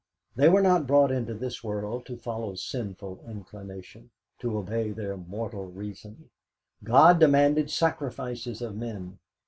They were not brought into this world to follow sinful inclination, to obey their mortal reason. God demanded sacrifices of men.